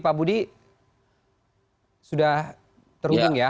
pak budi sudah terhubung ya